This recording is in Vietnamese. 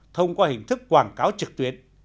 thông qua hình thức quảng cáo trực tuyến